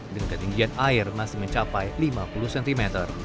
dengan ketinggian air masih mencapai lima puluh cm